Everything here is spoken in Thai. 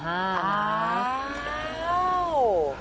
อ้าว